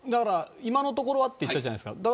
今のところはと言ったじゃないですか。